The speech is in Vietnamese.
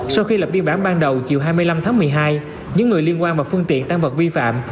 sau khi lập biên bản ban đầu chiều hai mươi năm tháng một mươi hai những người liên quan vào phương tiện tăng vật vi phạm